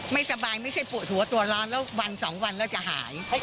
ไม่สบายไม่ใช่ปวดหัวตัวร้อนแล้ววันสองวันแล้วจะหาย